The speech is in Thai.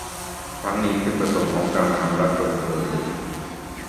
ทั้งนี้จุดประสงค์ของการทำรัฐเปิดเผย